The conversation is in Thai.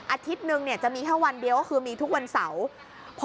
อาทิตย์นึงจะมีแค่วันเดียวก็คือมีทุกวันเสาร์